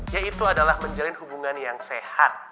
yaitu adalah menjalin hubungan yang sehat